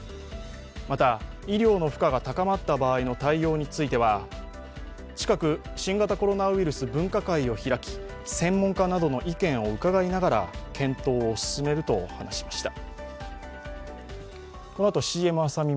また、医療の負荷が高まった場合の対応については近く新型コロナウイルス分科会を開き専門家などの意見を伺いながら検討を進めると話しました。